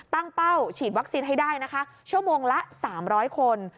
เป้าฉีดวัคซีนให้ได้นะคะชั่วโมงละ๓๐๐คน